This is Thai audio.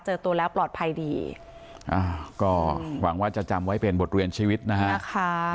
เจอตัวแล้วปลอดภัยดีอ่าก็หวังว่าจะจำไว้เป็นบทเรียนชีวิตนะฮะ